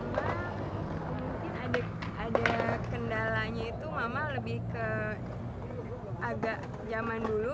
mungkin ada kendalanya itu mama lebih ke agak zaman dulu